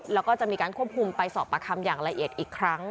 แล้วก็จะมีการควบคุมไปสอบประคำอย่างละเอียดอีกครั้ง